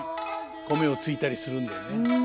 米をついたりするんだよね。